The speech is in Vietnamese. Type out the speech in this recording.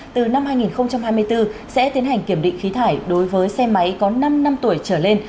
từ năm hai nghìn hai mươi bốn sẽ tiến hành kiểm định khí thải đối với xe máy có năm năm tuổi trở lên